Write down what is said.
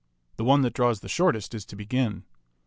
The one that draws the shortest is to begin.